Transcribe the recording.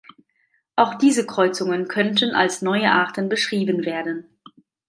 Auch diese Kreuzungen könnten als neue Arten beschrieben werden.